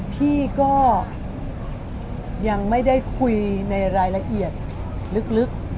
พี่ก็ยังไม่ได้คุยในรายละเอียดลึก